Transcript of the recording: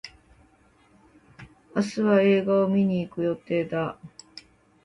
明日は映画を観に行く予定だ。